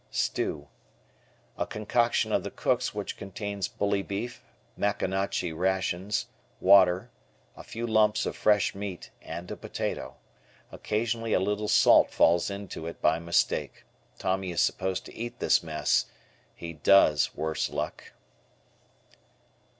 Stew. A concoction of the cook's which contains bully beef, Maconochie rations, water, a few lumps of fresh meat, and a potato. Occasionally a little salt falls into it by mistake. Tommy is supposed to eat this mess he does worse luck!